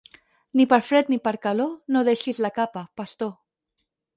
Ni per fred ni per calor, no deixis la capa, pastor.